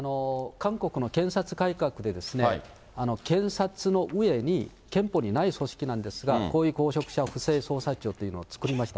韓国の検察改革で検察の上に憲法にない組織なんですが、高位公職者不正捜査庁というのを作りました。